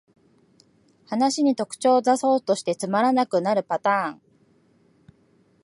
話に特徴だそうとしてつまらなくなるパターン